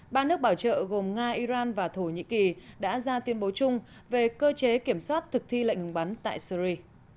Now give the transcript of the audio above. ba nước bảo trợ gồm nga iran và thổ nhĩ kỳ đã ra tuyên bố chung về cơ chế kiểm soát thực thi lệnh ngừng bắn tại syri